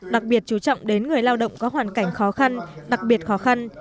đặc biệt chú trọng đến người lao động có hoàn cảnh khó khăn đặc biệt khó khăn